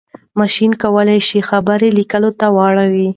ماشين کولای شي خبرې ليک ته واړوي.